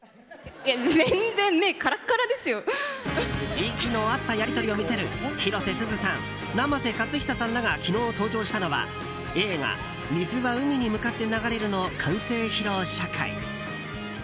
息の合ったやり取りを見せる広瀬すずさん、生瀬勝久さんらが昨日、登場したのは映画「水は海に向かって流れる」の完成披露試写会。